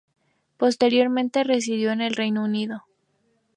Posteriormente residió en el Reino Unido.